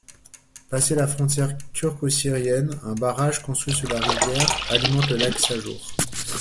Passé la frontière turco-syrienne, un barrage construit sur la rivière, alimente le lac Sajour.